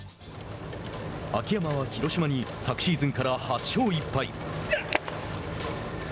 秋山は広島に昨シーズンから８勝１敗。